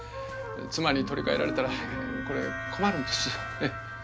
妻に取り替えられたらこれ困るんですよ。